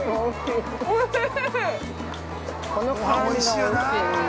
◆おいしい！